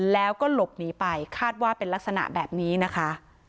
แล้วก็หลบหนีไปคาดว่าเป็นลักษณะแบบนี้นะคะ